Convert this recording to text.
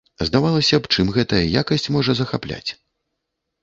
Здавалася б, чым гэтая якасць можа захапляць?